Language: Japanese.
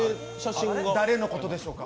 誰のことでしょうか？